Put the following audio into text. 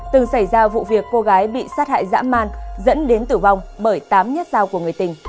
từng xảy ra vụ việc cô gái bị sát hại dã man dẫn đến tử vong bởi tám nhát dao của người tình